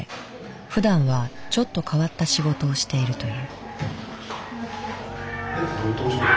ふだんはちょっと変わった仕事をしているという。